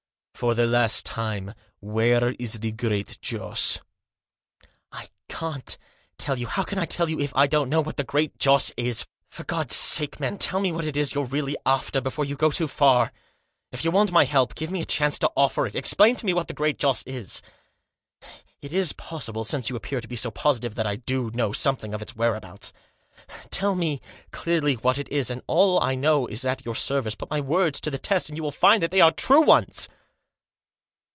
" For the last time — where is the Great Joss ?"" I can't tell you — how can I tell you if I don't know what the Great Joss is ? For God's sake, man, tell me what it is you're really after before you go too far. If you want my help, give me a chance to offer it. Explain to me what the Great Joss is. It is possible, since you appear to be so positive, that I do know something of its whereabouts. Tell me, clearly, what it is, and all I know is at your service. Put my words to the test, and you will find that they are true ones."